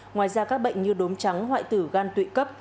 ngoài ra các bệnh như đốm trắng hoại tử gan tụy cấp